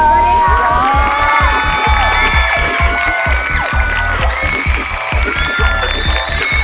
สวัสดีค่ะ